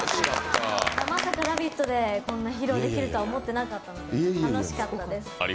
まさか「ラヴィット！」でこんな披露できるとは思ってなかったので、楽しかったです。